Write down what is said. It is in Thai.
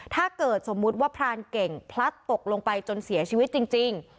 ถ้าเกิดสมมุติว่าพรานเก่งพลัดตกลงไปจนเสียชีวิตจริง